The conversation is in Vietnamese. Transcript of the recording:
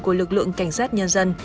của lực lượng cảnh sát nhân dân